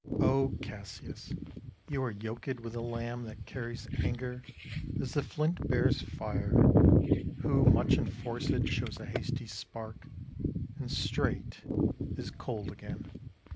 O Cassius, you are yoked with a lamb That carries anger as the flint bears fire; Who, much enforced, shows a hasty spark, And straight is cold again.